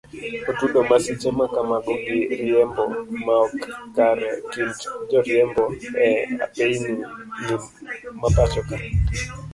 Otudo masiche makamago gi riembo maok kare ekind joriembo e apeyni mapachoka.